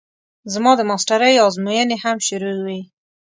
زما د ماسټرۍ ازموينې هم شروع وې.